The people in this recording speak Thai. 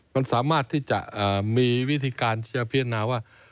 มันสามารถที่จะมีวิธีการที่จะพิจารณาว่า